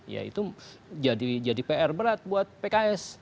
ya itu jadi pr berat buat pks